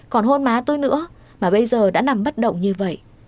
còn hôn má tôi nữa mà bây giờ đã nằm bất động như vậy